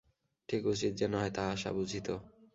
ঠিক উচিত যে নহে, তাহা আশা বুঝিত।